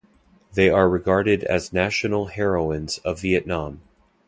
They are regarded as national heroines of Vietnam.